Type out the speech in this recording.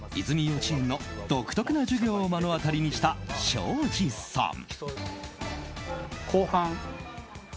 幼稚園の独特な授業を目の当たりにした庄司さん。